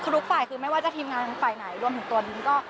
คือทุกฝ่ายคือไม่ว่าจะทีมงานฝ่ายไหนรวมถึงตัวนิมก็